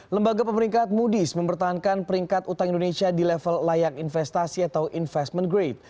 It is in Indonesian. lembaga pemeringkat ⁇ oodies mempertahankan peringkat utang indonesia di level layak investasi atau investment grade